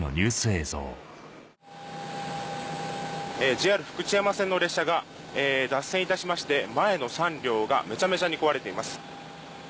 ＪＲ福知山線の列車が脱線いたしまして前の３両がめちゃめちゃに壊れています。